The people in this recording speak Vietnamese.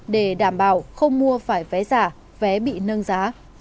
để đảm bảo không mua phải vé giả vé bị nâng giá